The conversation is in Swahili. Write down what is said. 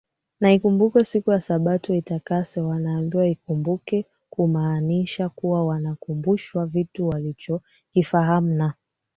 na Ikumbuke siku ya Sabato uitakase Wanaambiwa Ikumbuke kumaanisha kuwa Wanakumbushwa kitu walichokifahamu na